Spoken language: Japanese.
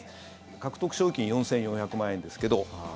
獲得賞金４４００万円ですけど。